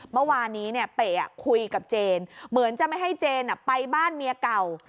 เมื่อวานนี้เปะคุยกับเจนเหมือนจะไม่ให้เจนไปบ้านเมียเก่า